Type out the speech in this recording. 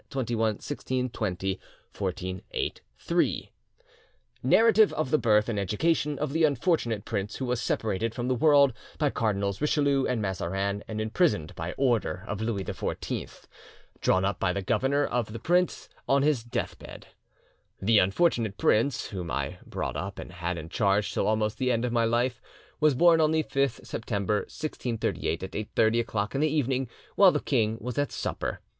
"'NARRATIVE OF THE BIRTH AND EDUCATION OF THE UNFORTUNATE PRINCE WHO WAS SEPARATED FROM THE WORLD BY CARDINALS RICHELIEU AND MAZARIN AND IMPRISONED BY ORDER OF LOUIS XIV. "'Drawn up by the Governor of this Prince on his deathbed. "'The unfortunate prince whom I brought up and had in charge till almost the end of my life was born on the 5th September 1638 at 8.30 o'clock in the evening, while the king was at supper.